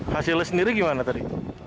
hasilnya sendiri gimana tadi